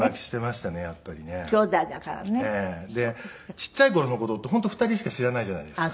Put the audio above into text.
ちっちゃい頃の事って本当２人しか知らないじゃないですか。